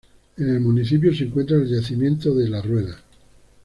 En el municipio se encuentra el yacimiento de ""La rueda"".